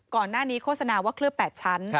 ก่อนหน้านี้โฆษณาว่าเคลือบ๘ชั้น